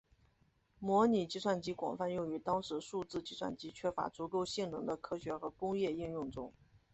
模拟计算机广泛用于当时数字计算机缺乏足够性能的科学和工业应用中。